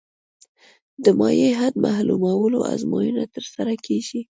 د مایع حد معلومولو ازموینه ترسره کیږي